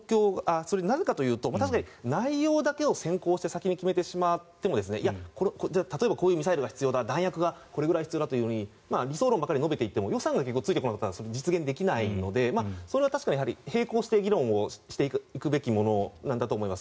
それはなぜかというと内容だけを先行して先に決めてしまってもじゃあ、例えばこういうミサイルが必要だ弾薬がこれぐらい必要だというふうに理想論ばかり述べていても予算がついてこなかったら実現できないのでそれは確かに並行して議論をしていくべきものなんだと思います。